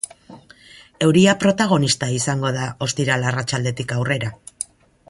Euria protagonista izango da ostiral arratsaldetik aurrera.